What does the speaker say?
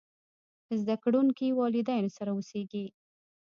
زده کړونکي والدينو سره اوسېږي.